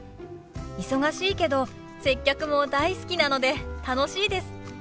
忙しいけど接客も大好きなので楽しいです。